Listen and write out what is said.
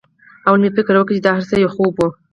لومړی مې فکر وکړ چې دا هرڅه یو خوب و